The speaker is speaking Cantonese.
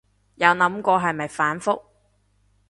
有諗過係咪反覆